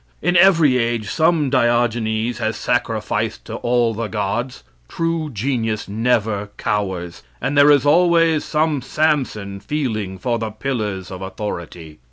In every age some Diogenes has sacrificed to all the gods. True genius never cowers, and there is always some Samson feeling for the pillars of authority.